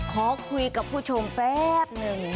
ขอคุยกับผู้ชมแป๊บ